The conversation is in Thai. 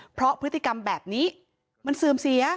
เพราะพฤติกรรมแบบนี้มันเสื่อมเสีย